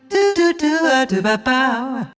ดูดูดูปะเปล่า